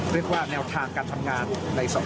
เรียกว่าแนวทางการทำงานในสภา